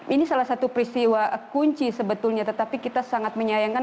ini salah satu peristiwa kunci sebetulnya tetapi kita sangat menyayangkan